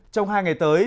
trong hai ngày tới